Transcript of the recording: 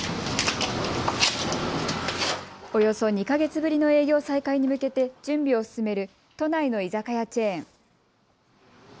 およそ２か月ぶりの営業再開に向けて準備を進める都内の居酒屋チェーン。